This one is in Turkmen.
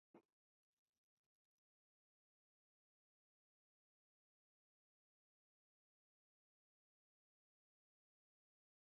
Iýmiti öz isleýän halymyza getirmek üçin olary bişirýäris ýagny üýtgedýäris